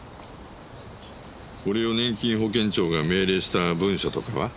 これを年金保険庁が命令した文書とかは？